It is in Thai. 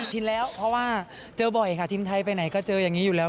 กินแล้วเพราะว่าเจอบ่อยค่ะทีมไทยไปไหนก็เจออย่างนี้อยู่แล้ว